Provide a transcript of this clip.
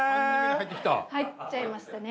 入っちゃいましたね。